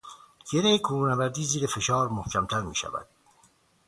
گره کوهنوردی زیر فشار، محکمتر میشود